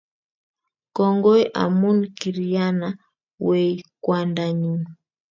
Kongoi amun kiriyana wei kwandanyunn